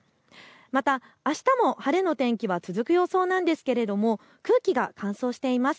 また、あしたも晴れの天気は続く予想なんですけれども空気が乾燥しています。